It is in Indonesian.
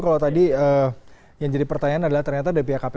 kalau tadi yang jadi pertanyaan adalah ternyata dari pihak kpk